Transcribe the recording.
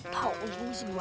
tahu ini semua